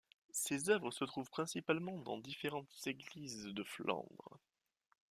Ses œuvres se trouvent principalement dans différentes églises de Flandres.